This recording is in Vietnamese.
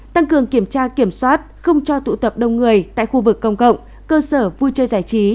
tăng cường kiểm tra kiểm soát không cho tụ tập đông người tại khu vực công cộng cơ sở vui chơi giải trí